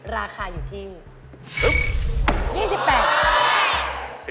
ราคาอยู่ที่๒๘บาท